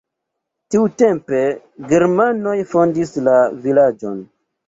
Tiutempe germanoj fondis la vilaĝon.